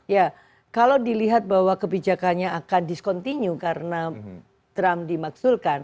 ya kalau dilihat bahwa kebijakannya akan discontinue karena trump dimaksudkan